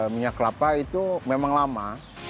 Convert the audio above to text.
minyak kelapa itu memang lama